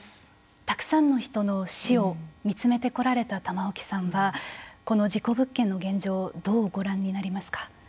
たくさんの人の死を見つめてこられた玉置さんはこの事故物件の現状をどうご覧になりますか。